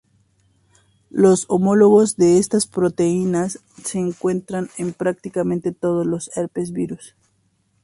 Los homólogos de estas proteínas se encuentran en prácticamente todos los "Herpes virus".